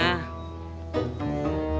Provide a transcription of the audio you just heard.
kamu gak pulang seb